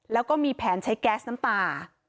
แล้วก็มีแผนใช้แก๊สน้ำตา